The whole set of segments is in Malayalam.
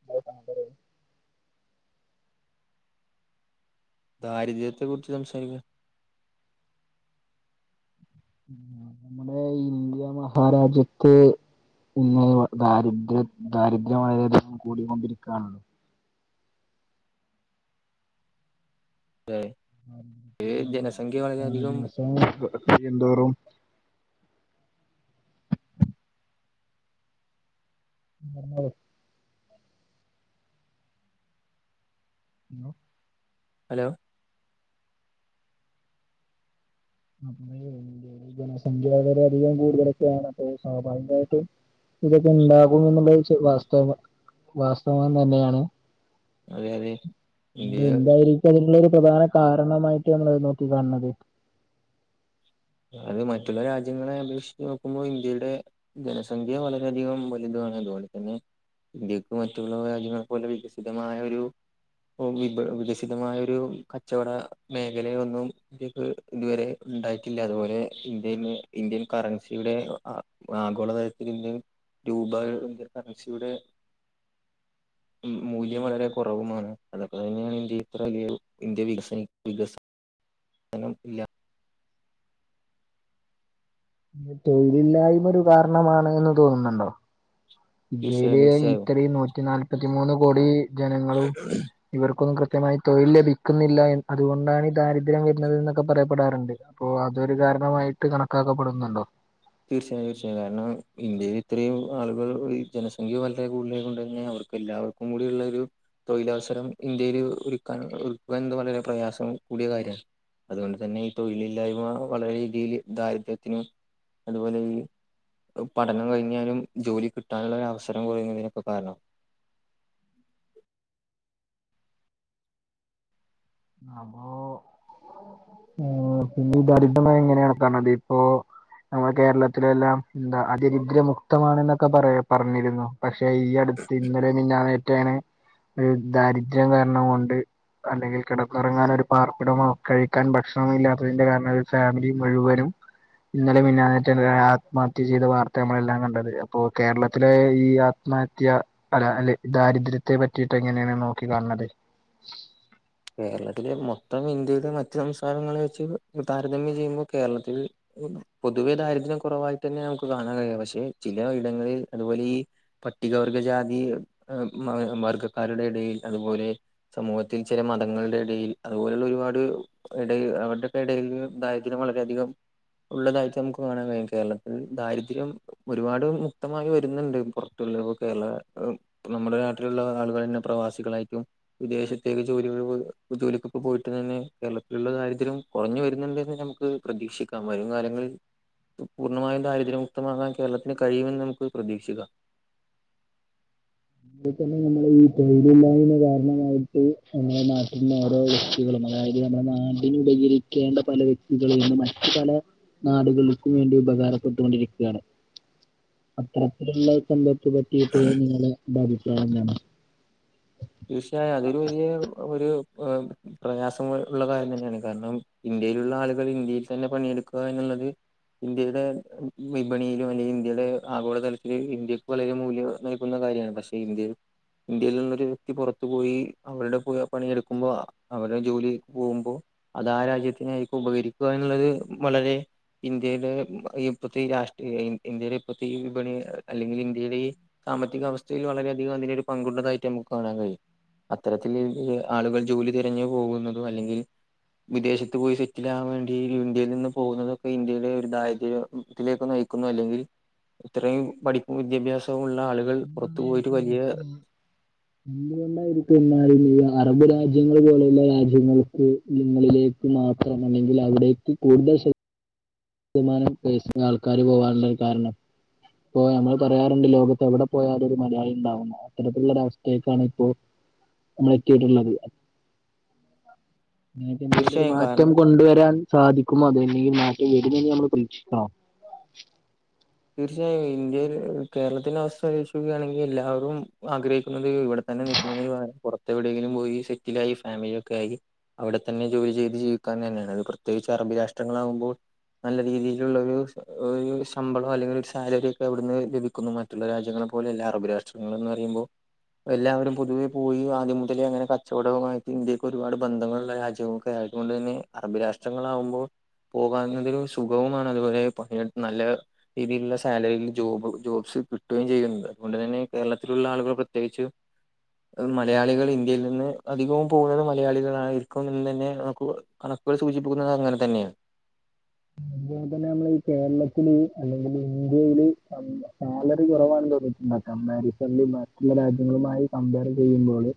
[unintelligible] ദാരിദ്രത്തെ കുറിച്ച് സംസാരിക്കാം ഉം നമ്മുടെ ഈ ഇന്ത്യാ മഹാരാജ്യത്ത് ഇന്ന് ദാരിദ്ര്യ ദാരിദ്ര്യം വളരെയധികം കൂടിക്കൊണ്ടിരിക്കുകയാണല്ലോ [unintelligible] ഈ ജനസംഖ്യ ഓരോ വളരെയധികം ദിവസം ക കഴിയുന്തോറും പറഞ്ഞോളൂ ഹലോ ഹലോ അപ്പ ഇന്ത്യേല് ജനസംഖ്യാ വരെയധികം കൂടുതലൊക്കെയാണ് അപ്പൊ സ്വാഭാവികമായിട്ടും ഇതൊക്കെ ഇണ്ടാകും എന്നുള്ളത് വാസ്തവ വാസ്തവം തന്നെയാണ് അതെ അതെ ഇന്ത്യ [unintelligible] എന്തായിരിക്കും അതിനുള്ളൊരു പ്രധാന കാരണമായിട്ട് നമ്മൾത് നോക്കി കാണുന്നത് അത് മറ്റുള്ള രാജ്യങ്ങളെ അപേക്ഷിച്ച് നോക്കുമ്പോൾ ഇന്ത്യയുടെ ജനസംഖ്യ വളരെയധികം വലുതാണ് അതുപോലെ തന്നെ ഇന്ത്യക്ക് മറ്റുള്ള രാജ്യങ്ങളെ പോലെ വികസിതമായ ഒരു ഇപ്പം വിപ വികസിതമായൊരു കച്ചോട മേഖലയൊന്നും ഇന്ത്യക്ക് ഇതുവരെ ഇണ്ടായി ഇല്ല അതുപോലെ ഇന്ത്യ ഇന്ന് ഇന്ത്യൻ കറൻസിയുടെ ആ ആഗോളതലത്തിൽ ഇന്ന് രൂപ ഇന്ത്യൻ കറൻസിയുടെ [unintelligible] മു മൂല്യം വളരെ കുറവുമാണ് അതൊക്കെ തന്നെയാണ് ഇന്ത്യ ഇത്ര വലിയ ഇന്ത്യ വികസി വികസ് ഉം [unintelligible] ഇല്ലാ തൊഴിലില്ലായ്മ ഒരു കാരണമാണ്ന്ന് തോന്നുന്നുണ്ടോ? ഇന്ത്യയില് തീർച്ചയായും തീർച്ചയായും ഇത്രയും നൂറ്റി നാല്പത്തിമൂന്ന് കോടി ജനങ്ങളും ഇവർക്കൊന്നും കൃത്യമായി തൊഴിൽ ലഭിക്കുന്നില്ലാ എൻ അതുകൊണ്ടാണ് ഈ ദാരിദ്ര്യം വരുന്നത് എന്നൊക്കെ പറയപ്പെടാറുണ്ട് അപ്പോ അതൊരു കാരണമായിട്ട് കണക്കാക്കപ്പെടുന്നുണ്ടോ? തീർച്ചയായും തീർച്ചയായും കാരണം ഇന്ത്യയിൽ ഇത്രയും ആളുകൾ ഈ ജനസംഖ്യ വളരെ കൂതലായ കൊണ്ടെന്നെ അവർക്ക് എല്ലാ കൂടിയുള്ളൊരു തൊഴിലവസരം ഇന്ത്യേല് ഒരുക്കാൻ ഒരുക്കുവാൻ വളരെ പ്രയാസം കൂടിയ കാര്യാ അതുകൊണ്ട് തന്നെ ഈ തൊഴിലില്ലായ്മ വളരെ രീതിയില് ദാരിദ്ര്യത്തിനും അതുപോലെ ഈ പഠനം കഴിഞ്ഞാലും ജോലി കിട്ടാനുള്ള ഒര് അവസരം കുറയുന്നതിനൊക്കെ കാരണമാ അപ്പോ ആഹ് പിന്നെ ഇത് [unintelligible] ഇങ്ങനെയാണ് കാണണത് ഇപ്പോ നമ്മുടെ കേരളത്തിലെല്ലാം എന്താ അതിദരിദ്രമുക്തമാണെന്നൊക്കെ പറയ പറഞ്ഞിരുന്നു പക്ഷെ ഈ അടുത്ത് ഇന്നലെ മിൻഞ്ഞാന്നേറ്റയാണ് ഒരു ദാരിദ്ര്യം കാരണം കൊണ്ട് അല്ലെങ്കിൽ കിടന്നൊറങ്ങാൻ ഒരു പാർപ്പിടമോ കഴി ക്കാൻ ഭക്ഷണമോ ഇല്ലാത്തതിന്റെ കാരണം ഒര് ഫാമിലി മുഴുവനും ഇന്നലെ മാൻഞ്ഞാന്നാറ്റം ആത്മഹത്യ ചെയ്ത വാർത്ത നമ്മളെല്ലാം കണ്ടത് അപ്പോ കേരളത്തിലെ ഈ ആത് ത്മഹത്യാ അല്ല അല്ലെ ദാരിദ്ര്യത്തെ പറ്റിയിട്ട് എങ്ങനെയാണ് നോക്കി കാണുന്നത് കേരളത്തിലെ മൊത്തം ഇന്ത്യയുടെ മറ്റു സംസ്ഥാനങ്ങളെ വെച്ച് താരതമ്യം ചെയ്യുമ്പോ കേരളത്തിൽ പൊതുവേ ദാരിദ്ര്യം കുറവായിട്ട് ന്നെയ മുക്ക് കാണാൻ കഴിയാം പക്ഷെ ചില ഇടങ്ങളിൽ അതു വലി പട്ടികവർഗജാതി എം മ വർഗക്കാരുടെ ഇടയിൽ അതുപോലെ സമൂഹത്തിൽ ചില മതങ്ങളുടെ ഇടയിൽ അതുപോലുള്ള ഒരുപാട് ഇടയിൽ അവരുടെക്കെ ഇടൽ ദാരിദ്ര്യം വളരെയധികം ഉള്ളതായിറ്റ മുക്ക് കാണാൻ കഴിയും കേരളത്തിൽ ദാരിദ്യം ഒരുപാട് മുക്തമായി വരുന്നുണ്ട് പുറത്തുള്ള ഇപ കേരള നമ്മുടെ നാട്ടിലുള്ള ആളുകൾ ന്നെ പ്രവാസികളായിരിക്കും വിദേശത് പ്രത്യേക ജോലിക ജോലിക്കൊക്കെ പോയിട്ട് തന്നെ കേരളത്തിള്ള ദാരിദ്ര്യം കുറഞ്ഞു വരുന്നുണ്ട്ന്ന് ഞമുക്ക് ത് പ്രതീക്ഷിക്കാം വരും കാലങ്ങളിൽ പൂർണ്ണമായും ദാരിദ്ര്യമുക്തമാകാൻ കേരളത്തിന് കഴിയുമെന്ന് നമുക്ക് പ്രതീക്ഷിക്കാം [unintelligible] തന്നെ നമ്മൾ ഈ തൊഴിലില്ലായ്മാ കാരണമായിട്ട് നമ്മെ നാട്ടിൽന്ന് ഓരോ [unintelligible] അതായത് നമ്മളെ നാട്ടിന് ഉപകരിക്കേണ്ട പല വ്യക്തികളും ഇന്ന് മറ്റു പല നാടുകൾക്കും വേണ്ടി ഉപകാരപ്പെട്ടുകൊണ്ടിരിക്കാണ് അത്തത്തിലുള്ളത് [unintelligible] തീർച്ചയായും അതൊരു വലിയ ഒരു ഏഹ് പ്രയാസം ഉള്ള കാര്യം തന്നെയാണ് കാരണം? ഇന്ത്യയിലുള്ള ആളുകൾ ഇന്ത്യയിൽ തന്നെ പണിയെടുക്കുക എന്നുള്ളത് ഇന്ത്യയുടെ വിപണിയിലും അല്ലെങ്കിൽ ഇന്ത്യയുടെ ആഗോളതലത്തില് ഇന്ത്യക്ക് വളരെ മൂല്യ വന്ന കാര്യാണ് പക്ഷെ ഇന്ത്യൽ ഇന്ത്യയിള്ളൊരു പൊറത്തുപോയി അവരുടെ പോയി പണിയെടുക്കുമ്പോ അവരെ ജോലി പോകുമ്പോ അതാ ആ രാജ്യത്തിനായിക്കും ഉപകരിക്കുക എന്നുള്ളത് വളരെ ഇന്ത്യയിടെ ഈ ഇപ്പത്തെ രാഷ്ട്രീയ ഇൻ ഇന്ത്യയുടെ ഇപ്പത്തെ ഈ വിപണി ൽ അല്ലെങ്കിൽ ഇന്ത്യടെ ഈ കമ്മറ്റി കവസ്ഥയിൽ വളരെയധികം അതിന് ഒരു പങ്കുണ്ടതായിട്ട് മുക് കാണാൻ കഴിയും അത്തരത്തിൽ ല് ആളുകൾ ജോലി തിരഞ്ഞു പോകുന്നതും അല്ലെങ്കിൽ വിദേശത്ത് പോയി സെറ്റിലാവാൻ വേണ്ടി ഇന്ത്യയിൽ നിന്ന് പോകുന്നതൊക്കെ ഇന്ത്യയുടെ ഒരു ദാരിദ്ര്യത്തിലേക്ക് നയി കുന്നു അല്ലെങ്കിൽ ഇത്രയും പഠിപ്പും വിദ്യാഭ്യാസവും ഉള്ള ആളുകൾ പുറ ത്ത് പോയിറ്റു വ [inaudible] എന്ത്‌കൊണ്ടായിരിക്കും എന്നാലും ഈ അറബ് രാജ്യങ്ങള് പോലെയുള്ള രാജ്യങ്ങൾക്ക് ഇടങ്ങളിലേക്ക് മാത്രം അല്ലെങ്കിൽ അവിടേക്ക് കൂടുതൽ ശക് മാനം കേസിന്ന് ആൾക്കാര് പോവാൻള്ള കാരണം ഇപ്പൊ ഞങ്ങൾ പറയാറുണ്ട് ലോകത്ത് എവിടെ പോയാലരു മലയാളി ണ്ടാവുന്ന് അത്തരത്തിലുള്ളൊര അവസ്ഥേക്കാണ് ഇപ്പോ നമ്മൾ എത്തിയിരുന്നത് [unintelligible] ഒരു തീർച്ചയായും മാറ്റം കാരണം കൊണ്ടുവരാൻ സാധിക്കുമോ അതല്ലെങ്കിൽ മാറ്റം വരുന്നില്ലെ നമ്മൾ പ്രതീക്ഷിക്കണോ തീർച്ചയായും ഇന്ത്യയിൽ കേരളത്തിന്റെ അവസ്ഥ ലോചിക്കാണെങ്കിൽ എല്ലാവരും ആഗ്രഹിക്കുന്നത് ഇവിടെ തന്നെ നി [unintelligible] പുറത്തെ എവിടേങ്കിലും പോയി സെറ്റിൽ ആയി ഫാമിലി ഒക്കെ ആയി അവിടെ തന്നെ ജോലി ചെയ്ത് ജീവിക്കാ തന്നെണ് അത് പ്രത്യേകിച്ച് അറബി രാഷ്ട്രങ്ങളാവുമ്പോൾ നല്ല രീതിയിലുള്ളരു ഒരു ശമ്പളം അല്ലെങ്കിൽ ഒരു സാലറി ഒക്കെ അവിടുന്ന് ലഭിക്കുന്നു മറ്റുള്ള രാജ്യങ്ങളെ പോലെ അല്ല അറബ് രാഷ്ട്രങ്ങള് എന്ന് റയുമ്പോ എല്ലാവരും പൊതുവെ പോയി ആദ്യം മുതലേ അങ്ങനെ കച്ചവടവു മായിട്ട് ഇന്ത്യക്ക് ഒരുപാട് ബന്ധങ്ങളുള്ള രാജ്യവൂക് [unintelligible] തന്നെ അറബി രാഷ്ട്രങ്ങളാവുമ്പോ പോകാനോര് സുഖവുമാണ് അതുപോലെ പണിയേടുത് നല്ല ഈ രീതിയിള്ള സാലറിൽ ജോബ് ജോബ്സ് കിട്ടുകയും ചെയ്യ്ണ്ട് അതുകൊണ്ട് തന്നെ കേരളത്തിലുള്ള ആളുകൾ പ്രത്യേകിച്ച് ആം മലയാളികൾ ഇന്ത്യയിൽ നിന്ന് അധികവും പോന്നത് മലയാളികളായിരിക്കും ഇന്നന്നെ മുക് കണ [unintelligible] സൂചിപ്പുക്കുന്നത് അങ്ങനെ തന്നെയ വേതനം ഇപ്പൊ ഈ കേരളത്തില് അല്ലെങ്കിൽ ഇന്ത്യ ഇന്ത്യയിൽ നല്ല ആ ള് വ കുറവാണ് തോന്നിട്ടുണ്ട ക്കാം കമ്പാറിസം ഇല്ലെങ്കി മറ്റുള്ള രാജ്യങ്ങളുമായി കമ്പയ്ർ ചെയ്ത് കഴിയുമ്പോള്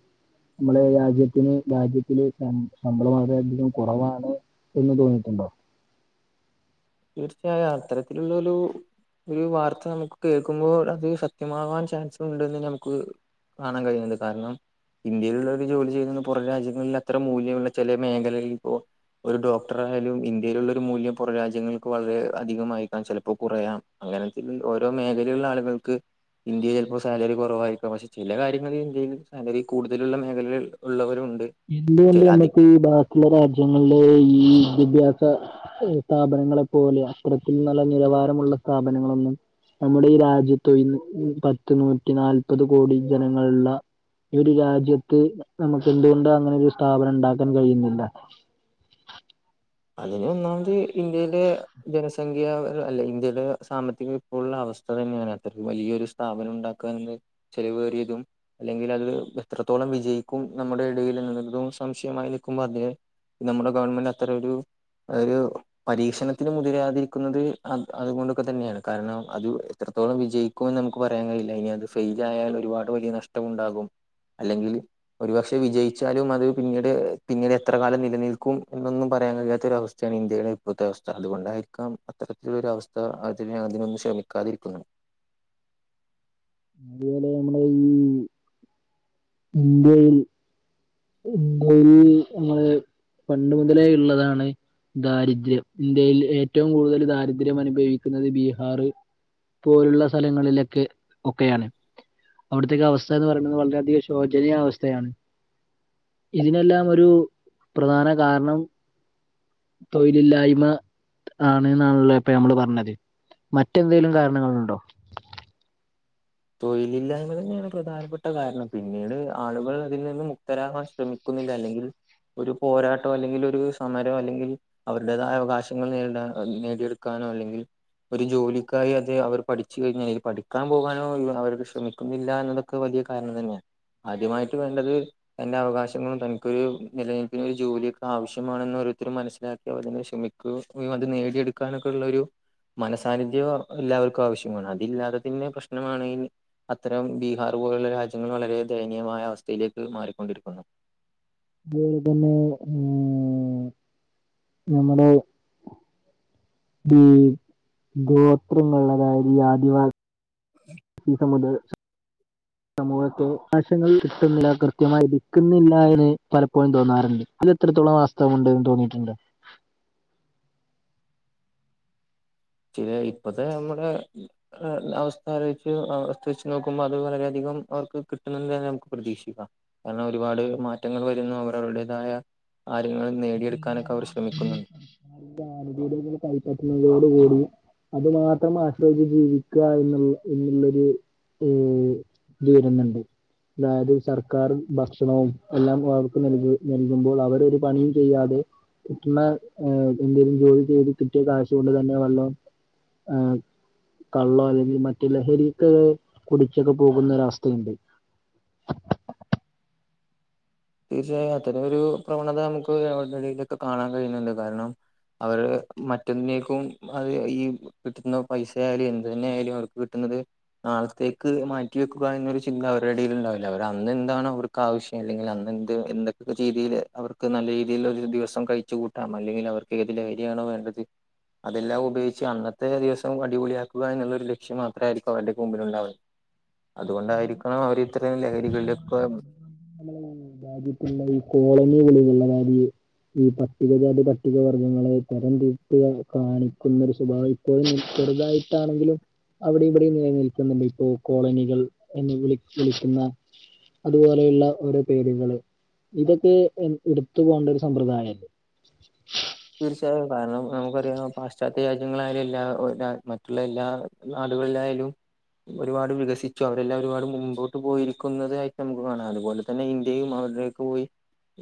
നമ്മള രാജ്യത്തിന് രാജ്യത്തില് ശമ്പളം വളരെയധികം കുറവാണ് എന്ന് തോന്നിട്ടുണ്ടോ? തീർച്ചയായും അത്തരത്തിലുള്ളരു ഒരു വാർത്ത നമുക്ക് കേൾക്കുമ്പോൾ അത് സത്യമാവാൻ ചാൻസ് ഉണ്ട്ന്ന് നമക്ക് കാണാൻ കഴിയുണ്ട് കാരണം ഇന്ത്യയിലുള്ളള്ളവര് ജോലി ചെയ്യുന്നത് പുറ രാജ്യങ്ങളിൽ അത്ര മൂല്യമുള്ള ചെലെ മേഖലകളിൽ ഇപ്പോ ഒരു ഡോക്ടറായാലും ഇന്ത്യയിലുള്ള ഒരു മൂല്യം പൊറ രാജ്യങ്ങൾ വളരെ അധികംമായിക്കാം ചിലപ്പോൾ കുറയാം അങ്ങനെ ഓരോ മേഖലയിലുള്ള ആളുകൾക്ക് ഇന്ത്യയിൽ ചിലപ്പോൾ സാലറി കുറവായിരിക്കും പക്ഷെ ചില കാര്യങ്ങൾ ഇന്ത്യയിൽ സാലറി കൂടുതലുള്ള മേഖലയിൽ ഉള്ളവരു ഉണ്ട് എന്തുകൊണ്ട് നമക്ക് ബാക്കിയുള്ള രാജ്യങ്ങളിലെ ഈ വിദ്യാഭ്യാസ സ്ഥാപനങ്ങളെപ്പോലെ അത്തരത്തിലുള്ള നല്ല നിലവാരമുള്ള സ്ഥാപനങ്ങളൊന്നും നമ്മുടെ ഈ രാജ്യത്ത് ഇന്ന് പത്ത് നൂറ്റി നാല്പത് കോടി ജനങ്ങളുള്ള ഈ ഒരു രാജ്യത്ത് നമക്ക് എന്തുകൊണ്ട അങ്ങനെ ഒരു സ്ഥാപനം ണ്ടാക്കാൻ കഴിയുന്നില്ല അതിന് ഒന്നാമത് ഇന്ത്യയിലെ ജനസംഖ്യ അല്ലെ ഇന്ത്യയിലെ സാമ്പത്തിക ഉള്ള അവസ്ഥ തന്നെയാണ് അത്രക്ക് വലിയൊരു സ്ഥാപനം ഉണ്ടാക്കൻന്ന ചെലവേറിയതും അല്ലെങ്കിൽ അത് എത്രത്തോളം വിജയിക്കും നമ്മുടെ ഇടയിൽ എന്ന് ഉള്ളതും സംശയമായി നിൽക്കുമ്പോൾ അതെ നമ്മുടെ ഗവൺമെന്റ് അത്ര ഒരു ഒരു പരീക്ഷണത്തിന് മുതിരാതിരിക്കുന്നത് അത് അതുകൊണ്ടൊക്കെ തന്നെയാണ് കാരണം അത് ഇത്രത്തോളം വിജയിക്കുമെന്ന് നമുക്ക് പറയാൻ കഴയില്ല ഇനി അത് ഫെയിൽയാൽ ഒരുപാട് വലിയ നഷ്ടം ഉണ്ടാകും അല്ലെങ്കിൽ ഒരുപക്ഷെ വിജയിച്ചാലും അത് പിന്നീട് പിന്നീട് എത്ര കാലം നിലനിൽക്കും എന്നൊന്നും പറയാൻ കഴി ഇങ്ങനെത്തെ ഒരു അവസ്ഥയാണ് ഇന്ത്യയുടെ ഇപ്പോഴത്തെ അവസ്ഥ അതുകൊണ്ടായിരിക്കാം അത്തരത്തിലൊ ഒരു അവസ്ഥ അതിന അതിനൊന്നും ക്ഷമിക്കാതിരിക്കുന്നു അതുപോലെ നമ്മള ഈ ഇന്ത്യയിൽ ഇന്ത്യയിൽ നമ്മളെ പണ്ട് മുതലേ ഉള്ളതാണ് ദാരിദ്ര്യം ഇന്ത്യയിൽ ഏറ്റവും കൂടുതൽ ദാരിദ്ര്യം അനുഭവിക്കുന്നത് ബീഹാർ പോലുള്ള സ്ഥലങ്ങളിലൊക്കെ ഒക്കെയാണ് അവിടത്തേക്കെ അവസ്ഥ എന്ന് പറയുന്നത് വളരെയധികം ശോചനീയ അവസ്ഥയാണ് ഇതിനെല്ലാം ഒരു പ്രധാന കാരണം തൊയിലില്ലായ്മ ആണ്ന്നാണല്ലോ ഇപ്പൊ നമ്മള് പറഞ്ഞത് മറ്റെന്തെങ്കലും കാരണങ്ങളുണ്ടോ തൊഴിലില്ലായ്മ തന്നെയാണ് പ്രധാനപ്പെട്ട കാരണം പിന്നീട് ആളുകൾ അതിൽ നിന്നും മുക്തരാകാൻ ശ്രമി ക്കുന്നില്ല അല്ലെങ്കിൽ ഒരു പോരാട്ടം അല്ലെങ്കിൽ ഒരു സമരം അല്ലെങ്കിൽ അവരുടേതായ അവകാശങ്ങൾ നേടാൻ നേടിയെടുക്കാനോ അല്ലെങ്കിൽ ഒരു ജോലിക്കായി അത് അവർ പഠിച്ച് കഴിഞ്ഞാൽ പഠിക്കാൻ പോകാ അവർക്ക് ശ്രമിക്കുന്നില്ല എന്നതൊക്കെ വലിയ കാരണം തന്നെയാണ് ആദ്യമായിട്ട് വേണ്ടത് തന്റെ അവകാശങ്ങളും തനിക്കൊരു നിലനിൽപ്പിന് ഒരു ജോലിയൊക്കെ ആവശ്യമാണെന്ന് ഓരോരുത്തര മനസിലാക്കി അവർ തന്നെ ശമി ക്കൊ അത് നേടിയെടുക്കാനൊക്കെ ഉള്ള ഒരു മനസാന്നിദ്ധ്യം എല്ലാവർക്കും ആവശ്യമാണ് അതില്ലാതതിന്റെ പ്രശ്നമാണ് ഈ അത്തരം ബീഹാർ പോലുള്ള രാജ്യങ്ങൾ വളരെ ദയനീയമായ അവസ്ഥയിലേക്ക് മാറിക്കൊണ്ടിരിക്കുന്നു അതുപോലെ തന്നെ ആഹ് നമ്മുടെ ഉം ഗോത്രങ്ങുള്ളതായത് ഈ ആദിവാസി ഈസമത സമൂഹത്തെ ആശങ്ങൾ കിട്ടുന്നില്ല കൃത്യമായിരിക്കുന്നില്ല എന്ന് പലപ്പോഴും തോന്നാറുണ്ട് അത് എത്രത്തോളം വസ്തവം ഉണ്ടന്ന് തോന്നിയിട്ടുണ്ട് ചില ഇപ്പത്തെ നമ്മുടെ അവസ്ഥ ആലോചിച്ച് അവസ്ഥ വച്ച് നോക്കുമ്പോൾ അത് വളര അധികം അവർക്ക് കിട്ടുന്നുണ്ട്തന്നെ നമുക്ക് പ്രതീക്ഷിക്കാം കാരണം ഒരുപാട് മാറ്റങ്ങൾ വരുന്നു അവരവരുടേതായ കാര്യങ്ങളും നേടിയെടുക്കാനൊക്കെ അവർ ശ്രമിക്കുന്നുണ്ട് ആനുകൂല്യങ്ങൾ കൈപ്പറ്റുന്ന തോടുകൂടി അത് മാത്രം ആശ്രയച്ച് ജീവിക്കുക എന്നുള്ള എന്നുള്ളൊത് ഏഹ് വിഴുന്നുണ്ട് അതായത് സർക്കാർ ഭക്ഷണവും എല്ലാം അവർക്ക് നൽക നൽകുമ്പോൾ അവരരു പണിയ ചെയ്യാതെ കിട്ടുന്ന എന്തെങ്കിലും ജോലി ചെയ്ത് കിട്ടിയ കാശ്കൊണ്ട് തന്നെ വെള്ളം ആഹ് കള്ളോ അല്ലെങ്കിൽ മറ്റ്ലഹരിക്ക കുടിച്ചൊക്കെ പോകുന്ന ഒരവസ്ഥയുണ്ട് തീർച്ചയായും അത്തരംഒരു പ്രവണത നമുക്ക് എവിടേയിലേക്കെ കാണാൻ കഴിയുന്നുണ്ട് കാരണം അവര് മറ്റന്ക്കും അത് ഈ കിട്ടുന്ന പൈസയാലും എന്തു തന്നെ ആയാലും അവർക്ക് കിട്ടുന്നത് നാളത്തേക്ക് മാറ്റി വെക്കുക എന്നൊരു ചിന്ത അവരുടെടയിൽ ഉണ്ടാവില്ല അവര് അന്ന് എന്താണ് അവർക്ക് ആവശ്യം അല്ലെങ്കിൽ എന്ത് എന്തൊക്കെ ചെയീതിൽ അവർക്ക് നല്ല രീതിയിൽ ഒരു ദിവസം കഴിച്ചു കൂട്ടാം അല്ലെങ്കിൽ അവർക്ക് ഏത് ലഹരിയാണോ വേണ്ടത് അതെല്ലാം ഉപയോഗിച്ച് അന്നത്തെ ദിവസം അടിപൊളിയാക്കുക എന്ന്ള്ളൊരു ലക്ഷ്യം മാത്രായിരിക്കും അവര്ടൊക്കെ മുമ്പില്ണ്ടാവ അത് കൊണ്ടായിരിക്കണം അവരിത്രയും ലഹരികളിലൊക്കെ അതായത്പ്പള്ള ഈ കോളനികളില്ള്ള മാരി ഈ പട്ടികജാതി പട്ടികവർഗ്ഗങ്ങളെ തരം തിരിച്ച് കാണിക്കുന്നൊരു സ്വഭാവം ഇപ്പോയും ചെറ്തായിട്ടാണെങ്കിലും അവിടെയും ഇവിടെയും നില നിൽക്കുന്നുണ്ട് ഇപ്പൊ കോളനികൾ എന്ന് വിളി വിളിക്കുന്ന അതുപോലെയുള്ള ഓരോ പേരുകള് ഇതൊക്കെ എ ഇട്ത്ത് പോണ്ട ഒര് സമ്പ്രദായല്ലേ? തീർച്ചയായും കാരണം നമുക്കറിയാം പാശ്ചാത്യ രാജ്യങ്ങളായാലും എല്ലാ ഒ ര മറ്റുള്ള എല്ലാ നാടുകളിലായാലും ഒരുപാട് വികസിച്ചു അവരെല്ലാം ഒരുപാട് മുമ്പോട്ട് പോയിരിക്കുന്നതായിട്ട് നമുക്ക് കാണാം അത് പോലെ തന്നെ ഇന്ത്യയും അവരുടെ പോയി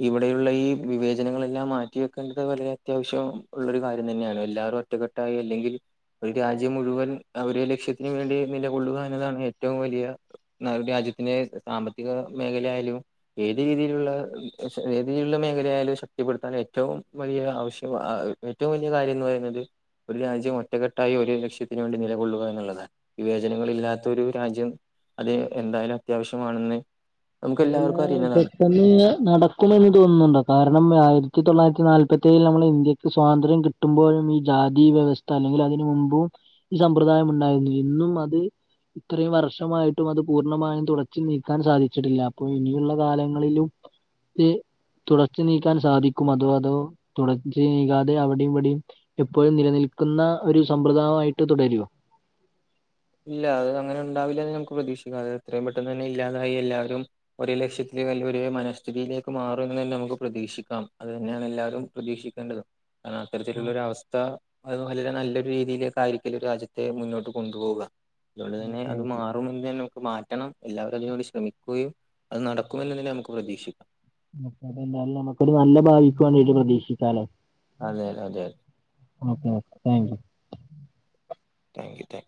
ഇവിടെയുള്ള ഈ വിവേചനങ്ങളെല്ലാം മാറ്റി വെക്കേണ്ടത് വളരെ അത്യാവശ്യം ഉള്ളൊര് കാര്യം തന്നെയാണ് എല്ലാരും ഒറ്റക്കെട്ടായി അല്ലെങ്കിൽ ഒര് രാജ്യം മുഴുവൻ ആ ഒര് ലക്ഷ്യത്തിന് വേണ്ടി നില കൊള്ളുക എന്നതാണ് ഏറ്റവും വലിയ ന്ന ഒര് രാജ്യത്തിന്റെ സാമ്പത്തിക മേഖലായാലും ഏത് രീതിയിലുള്ള ഏത് രീതിയിലുള്ള മേഖലായാലും ശക്തിപ്പെടുത്താൻ ഏറ്റവും വലിയ ആവശ്യം ഏറ്റവും വലിയ കാര്യംന്ന് പറയുന്നത് ഒര് രാജ്യം ഒറ്റക്കെട്ടായി ഒര് ലക്ഷത്തിന് വേണ്ടി നിലകൊള്ളുക എന്ന്ള്ളതാണ് വിവേചനങ്ങളില്ലാത്ത ഒരു രാജ്യം അത് എന്തായാലും അത്യാവശ്യമാണെന്ന് നമുക്കെല്ലാവർ [unintelligible] പ്പന്ന്ഞ്ഞ് നടക്കുമെന്ന് തോന്നുന്നുണ്ടോ കാരണം ആയിരത്തി തൊള്ളായിരത്തി നാല്പത്തേയിൽ നമ്മളെ ഇന്ത്യക്ക് സ്വാതന്ത്ര്യം കി ട്ടുമ്പോഴും ഈ ജാതി വ്യവസ്ഥ അല്ലെങ്കിൽ അതിന് മുമ്പും ഈ സമ്പ്രദായമുണ്ടായിരുന്നു ഇന്നും അത് ഇത്രയും വർഷമായിട്ടും അത് പൂർണ്ണമായും തുടച്ച് നീക്കാൻ സാധിച്ചിട്ടില്ല അപ്പൊ ഇനിയുള്ള കാലങ്ങളിലും ഇ തുടച്ച് നീക്കാൻ സാധിക്കും അത് അതോ തുടച്ച് നീക്കാതെ അവിടെയും ഇവിടെയും എപ്പോഴും നിലനിൽക്കുന്ന ഒര് സമ്പ്രദായമായിട്ട് തുടരുവോ ഇല്ല അത് അങ്ങനെ ഉണ്ടാവില്ലന്ന് നമുക്ക് പ്രതീക്ഷിക്കാം അത് എത്രയും പെട്ടെന്ന് തന്നെ ഇല്ലാതായി എല്ലാവരും ഒരേ ലക്ഷ്യത്തില് അല്ലെ ഒരേ മനഃസ്ഥിതിയിലേക്ക് മാറും എന്ന് തന്നെ നമുക്ക് പ്രതീക്ഷിക്കാം അത് തന്നെയാണ് എല്ലാവരും പ്രതീക്ഷിക്കേണ്ടതും കാരണം ആഹ് അത്തരത്തിലുള്ളൊര് അവസ്ഥ അത് വളരെ നല്ലൊരു രീതിയിലേക്കായിരിക്കില്ല രാജ്യത്തെ മുന്നോട്ട് കൊണ്ട് പോവുക അത് കൊണ്ട് തന്നെ ഓക്കെ അത് ഓക്കെ മാറും എന്ന് തന്നെ മാറ്റണം എല്ലാവരും അതിന് വേണ്ടി ശ്രമിക്കുകയും അത് നടക്കുമെന്ന് തന്നെ നമുക്ക് പ്രതീക്ഷിക്കാം നമ്മക്ക് അതെ എന്തായാലും നമുക്കൊര് നല്ല ഭാവിക്ക് വേണ്ടീട്ട് പ്രതീക്ഷിക്കാലേ അതെ അതെ okay okay thank you thank you താ